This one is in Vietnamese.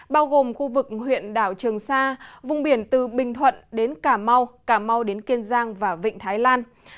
bao gồm khu vực huyện đảo trường sa vùng biển từ bình thuận đến cà mau cà mau đến kiên giang và vịnh thái lan